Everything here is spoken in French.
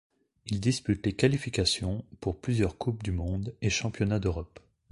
Il dispute les qualifications pour plusieurs Coupe du monde et Championnat d'Europe.